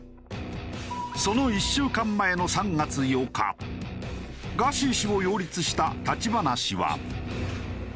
その１週間前の３月８日ガーシー氏を擁立した立花氏は。